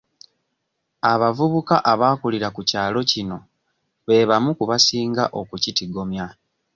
Abavubuka abaakulira ku kyalo kino be bamu ku basinga okukitigomya.